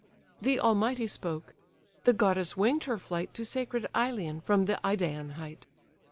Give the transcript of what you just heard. The all mighty spoke; the goddess wing'd her flight To sacred Ilion from the Idaean height.